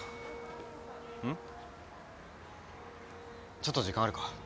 ちょっと時間あるか？